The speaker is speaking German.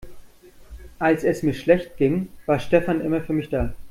Als es mir schlecht ging, war Stefan immer für mich da.